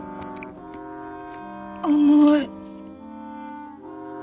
甘い。